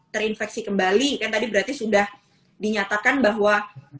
terinfeksi kembali kan tadi berarti sudah dinyatakan bahwa